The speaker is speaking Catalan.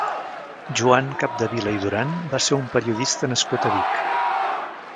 Joan Capdevila i Duran va ser un periodista nascut a Vic.